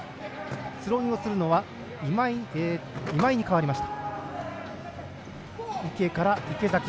スローインをするのは今井に代わりました。